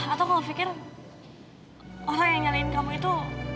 atau kamu pikir orang yang nyalain kamu itu